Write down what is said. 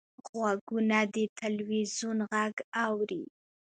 غوږونه د تلویزیون غږ اوري